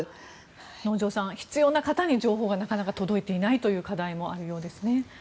能條さん、必要な方に情報がなかなか届いていないという課題もあるようです。